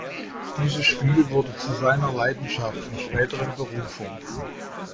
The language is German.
Dieses Spiel wurde zu seiner Leidenschaft und späteren Berufung.